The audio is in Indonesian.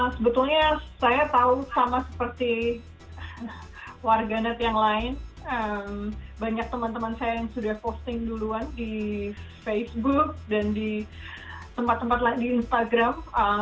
sebetulnya saya tahu sama seperti warganet yang lain banyak teman teman saya yang sudah posting duluan di facebook dan di tempat tempat lain di instagram